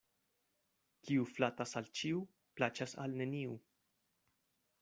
Kiu flatas al ĉiu, plaĉas al neniu.